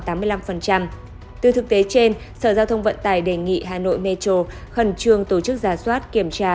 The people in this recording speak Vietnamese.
từ thực tế trên sở giao thông vận tải đề nghị hà nội metro khẩn trương tổ chức giả soát kiểm tra